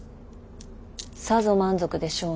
さぞ満足でしょうね。